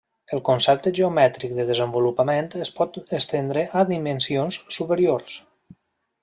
El concepte geomètric de desenvolupament es pot estendre a dimensions superiors.